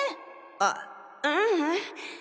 あっううん！